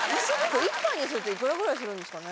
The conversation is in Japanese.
１杯にするといくらぐらいするんですかね？